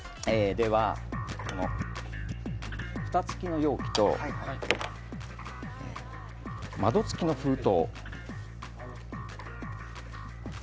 では、蓋付きの容器と窓付きの封筒。